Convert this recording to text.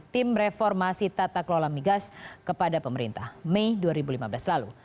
tim reformasi tata kelola migas kepada pemerintah mei dua ribu lima belas lalu